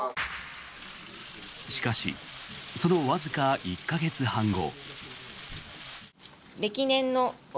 しかし、そのわずか１か月半後。